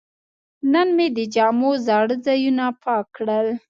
نن مې د جامو زاړه ځایونه پاک کړل.